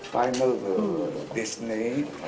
final destiny atau berkelanjutan